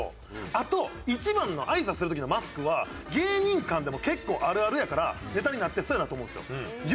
あと１番の「挨拶する時のマスク」は芸人間でも結構あるあるやからネタになってそうやなって思うんですよ。